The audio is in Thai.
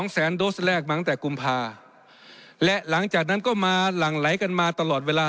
แสนโดสแรกมาตั้งแต่กุมภาและหลังจากนั้นก็มาหลั่งไหลกันมาตลอดเวลา